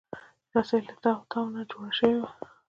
رسۍ له تاو تاو نه جوړه شوې وي.